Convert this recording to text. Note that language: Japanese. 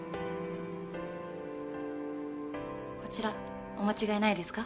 こちらお間違いないですか？